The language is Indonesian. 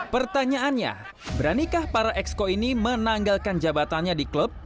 pertanyaannya beranikah para exco ini menanggalkan jabatannya di klub